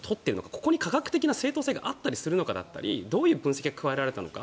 ここに科学的な正当性があるのかとかどういう分析が加えられたのか。